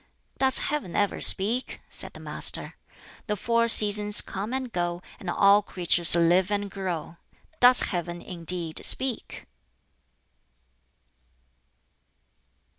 "Does Heaven ever speak?" said the Master. "The four seasons come and go, and all creatures live and grow. Does Heaven indeed speak?"